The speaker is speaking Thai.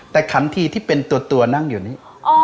แต่ขันทีที่เป็นตัวนั่งอยู่นี่